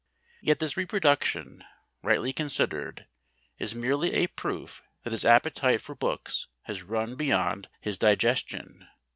Yet this reproduction, rightly considered, is merely a proof that his appetite for books has run beyond his digestion.